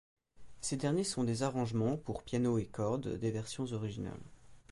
Ces derniers sont des arrangements pour piano et cordes des versions originales.